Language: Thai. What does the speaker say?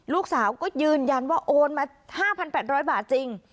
ลูกสาวก็ยืนยันว่าโอนมา๕๘๐๐บาทจริง